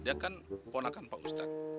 dia kan ponakan pak ustadz